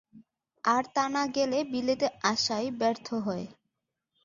আর তা না গেলে বিলেতে আসাই ব্যর্থ হয়।